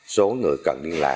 số người cần điện thoại